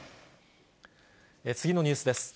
次のニュースです。